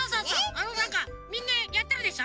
あのなんかみんなやってるでしょ？